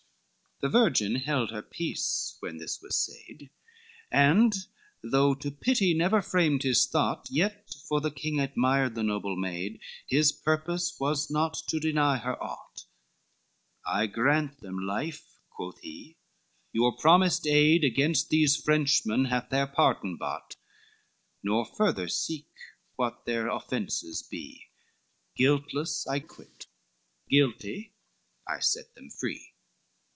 LII The virgin held her peace when this was said; And though to pity he never framed his thought, Yet, for the king admired the noble maid, His purpose was not to deny her aught: "I grant them life," quoth he, "your promised aid Against these Frenchmen hath their pardon bought: Nor further seek what their offences be, Guiltless, I quit; guilty, I set them free."